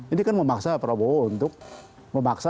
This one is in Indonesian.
ini kan memaksa prabowo untuk memaksa